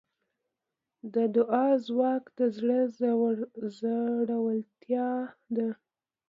د دعا ځواک د زړه زړورتیا ده.